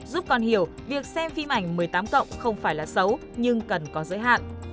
giúp con hiểu việc xem phim ảnh một mươi tám cộng không phải là xấu nhưng cần có giới hạn